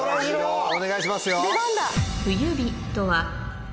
お願いしますよ。